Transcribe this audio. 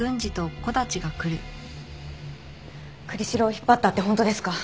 栗城を引っ張ったって本当ですか？